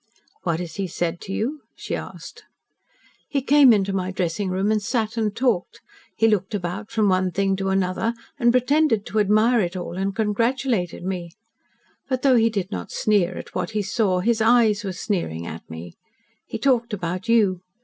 "What has he said to you?" she asked. "He came into my dressing room and sat and talked. He looked about from one thing to another and pretended to admire it all and congratulated me. But though he did not sneer at what he saw, his eyes were sneering at me. He talked about you.